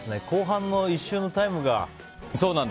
後半の１周のタイムが。